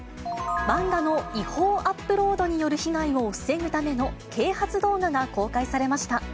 漫画の違法アップロードによる被害を防ぐための啓発動画が公開されました。